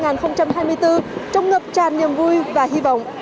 năm mới hai nghìn hai mươi bốn trông ngập tràn niềm vui và hy vọng